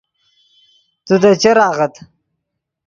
تو دے چر آغت